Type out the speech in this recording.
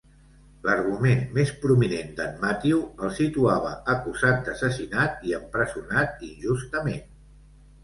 L'argument més prominent d'en Matthew el situava acusat d'assassinat i empresonat injustament.